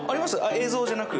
映像じゃなく？